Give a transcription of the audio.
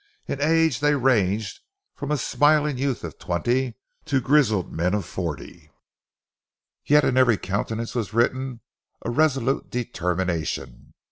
In age they ranged from a smiling youth of twenty to grizzled men of forty, yet in every countenance was written a resolute determination.